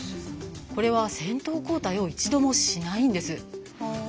これは先頭交代を一度もしないんです。